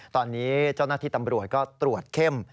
ตอนนี้เจ้าหน้าที่ตำรวจก็ตรวจเข้ม